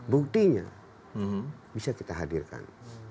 buktinya bisa kita hadirkan